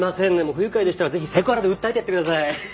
不愉快でしたらぜひセクハラで訴えてやってください。